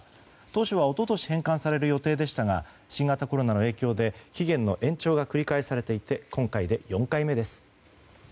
当初は一昨年返還される予定でしたが新型コロナの影響で期限の延長が繰り返されていて今回で４回目です。